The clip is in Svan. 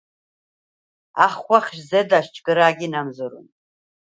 ახღვახ ზედა̈შ ჯგჷრა̄̈გი ნა̈მზჷრუნდ.